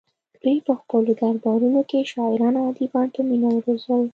دوی په خپلو دربارونو کې شاعران او ادیبان په مینه روزل